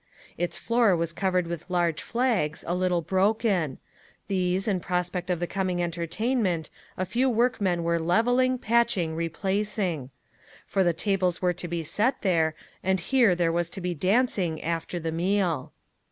Its floor was covered with large flags, a little broken: these, in prospect of the coming entertainment, a few workmen were leveling, patching, replacing. For the tables were to be set here, and here there was to be dancing after the meal.